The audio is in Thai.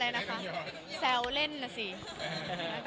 อเรนนี่ปุ๊ปอเรนนี่ปุ๊ป